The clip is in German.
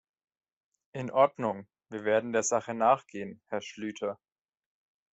In Ordnung, wir werden der Sache nachgehen, Herr Schlyter.